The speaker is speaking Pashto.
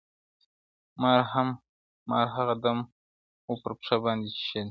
مار هغه دم وو پر پښه باندي چیچلى-